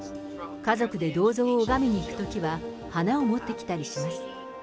家族で銅像を拝みに行くときには、花を持ってきたりします。